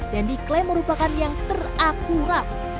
yang diklaim merupakan yang terakurat